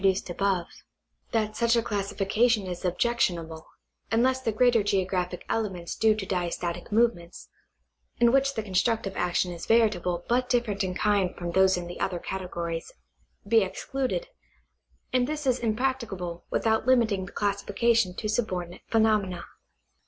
duced above that such a classification is objectionable unless tbe greater geographic elements due to diastatic movements (in which the constructive action is veritable but different in kind from those in the other categories) be excluded, and this is impractica L)le without limiting the classification to subordinate phenomena.